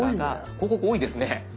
広告多いですね。